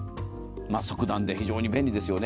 即暖で非常に便利ですよね。